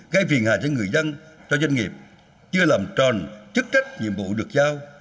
gây phiền hạ cho người dân cho doanh nghiệp chưa làm tròn chức trách nhiệm vụ được giao